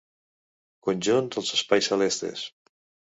Conjunt dels espais celestes.